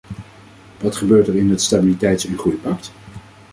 Wat gebeurt er in het stabiliteits- en groeipact?